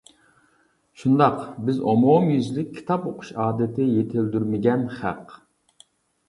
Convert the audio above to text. شۇنداق، بىز ئومۇميۈزلۈك كىتاب ئوقۇش ئادىتى يېتىلدۈرمىگەن خەق.